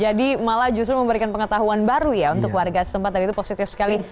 jadi malah justru memberikan pengetahuan baru ya untuk warga setempat dan itu positif sekali